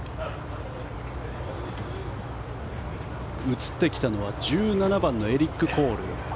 映ってきたのは１７番のエリック・コール。